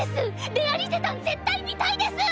レアリゼたん絶対見たいです！